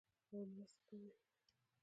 او مرسته کوي.